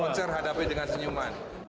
konser hadapi dengan senyuman